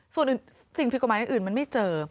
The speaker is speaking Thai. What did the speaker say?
ส่วนสิ่งผิดกฎหมายอื่นมันไม่เจอ